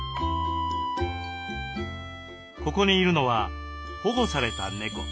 ここにいるのは保護された猫。